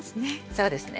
そうですね。